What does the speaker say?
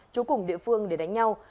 chú cùng địa phương để đánh nhau